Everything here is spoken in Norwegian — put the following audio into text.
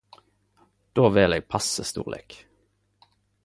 Då vel eg passe storleik.